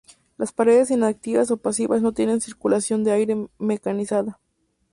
Las 'paredes inactivas' o 'pasivas' no tienen circulación de aire mecanizada.